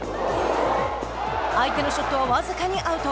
相手のショットは僅かにアウト。